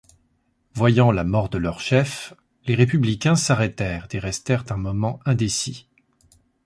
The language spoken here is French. Voyant la mort de leur chef, les Républicains s'arrêtèrent et restèrent un moment indécis.